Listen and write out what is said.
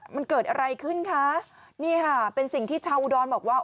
มันเกิดอะไรขึ้นคะนี่ค่ะเป็นสิ่งที่ชาวอุดรบอกว่า